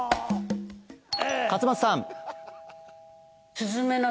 勝又さん